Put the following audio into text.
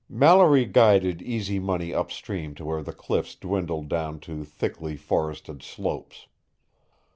Mallory guided Easy Money upstream to where the cliffs dwindled down to thickly forested slopes.